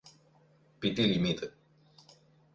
Pty Ltd.